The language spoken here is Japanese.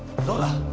どうだ？